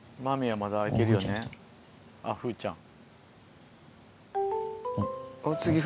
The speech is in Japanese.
あっ風ちゃん。